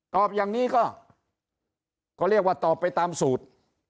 ตอบอย่างนี้ก็เรียกว่าตอบไปตามสูตร